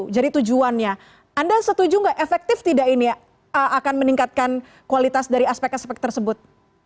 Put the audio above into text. jadi tujuannya anda setuju nggak efektif tidak ini ya akan meningkatkan kualitas dari aspek aspek tersebut